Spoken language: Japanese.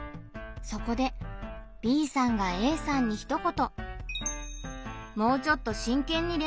そこでＢさんがＡさんにひと言。